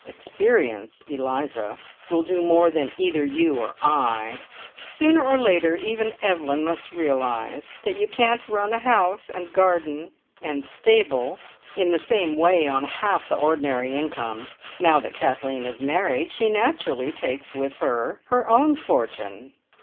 Experience, Eliza, will do more than either you or I. Sooner or later, even Evelyn must realise that you can't run a house, and garden, and stable, in the same way on half the ordinary income. Now that Kathleen is married, she naturally takes with her her own fortune."